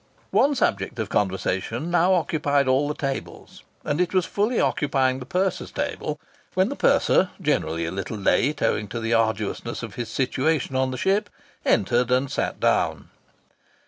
One subject of conversation now occupied all the tables. And it was fully occupying the purser's table when the purser, generally a little late, owing to the arduousness of his situation on the ship, entered and sat down.